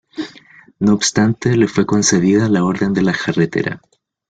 No obstante, le fue concedida la Orden de la Jarretera.